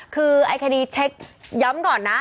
คือไอ้คดีเช็คย้ำก่อนนะ